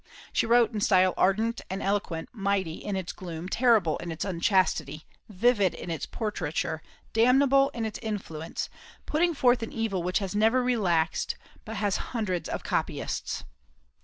She wrote in style ardent and eloquent, mighty in its gloom, terrible in its unchastity, vivid in its portraiture, damnable in its influence, putting forth an evil which has never relaxed, but has hundreds of copyists.